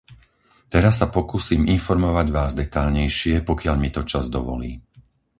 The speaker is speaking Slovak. Teraz sa pokúsim informovať Vás detailnejšie pokiaľ mi to čas dovolí.